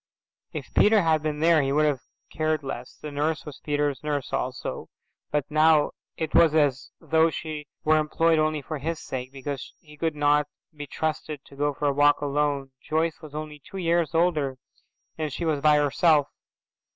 If Peter had been there he would have cared less; the nurse was Peter's nurse also, but now it was as though she were employed only for his sake, because he could not be trusted to go for a walk alone. Joyce was only two years older and she was by herself.